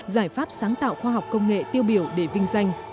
giải pháp sáng tạo khoa học công nghệ tiêu biểu để vinh danh